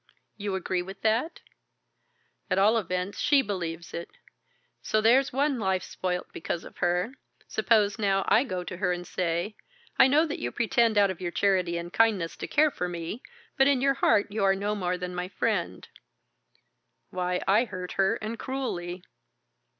"You agree with that? At all events she believes it. So there's one life spoilt because of her. Suppose now I go to her and say: 'I know that you pretend out of your charity and kindness to care for me, but in your heart you are no more than my friend,' why, I hurt her, and cruelly.